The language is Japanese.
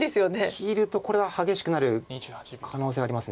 切るとこれは激しくなる可能性あります。